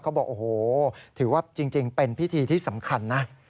บอกโอ้โหถือว่าจริงเป็นพิธีที่สำคัญนะ